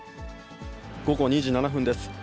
午後２時７分です。